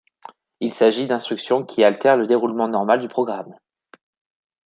Il s'agit d'instructions qui altèrent le déroulement normal du programme.